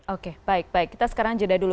oke baik baik kita sekarang jeda dulu